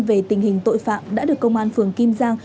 về tình hình tội phạm đã được công an phường kim giang